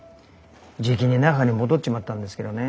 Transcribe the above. じきに那覇に戻っちまったんですけどね。